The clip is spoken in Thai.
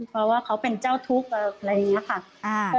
เพราะว่าเขาเป็นเจ้าทุกข์อะไรอย่างนี้ค่ะ